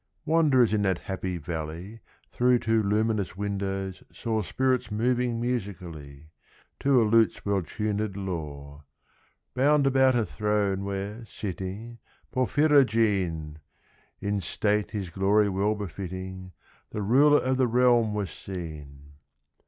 Wanderers in that happy valley, Through two luminous windows, saw Spirits moving musically, To a lute's well tunëd law, Bound about a throne where, sitting (Porphyrogene!) In state his glory well befitting, The ruler of the realm was seen.